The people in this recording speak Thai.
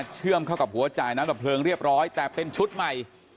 เชื่อมเข้ากับหัวจ่ายน้ำดับเพลิงเรียบร้อยแต่เป็นชุดใหม่